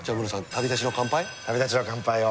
旅立ちの乾杯を。